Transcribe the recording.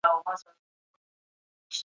حکومت باید په مالي چارو کي جدي څارنه وکړي.